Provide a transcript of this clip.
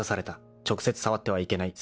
［直接触ってはいけない。